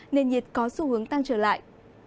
nên nhiệt có xu hướng tăng trở lại